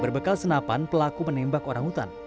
berbekal senapan pelaku menembak orangutan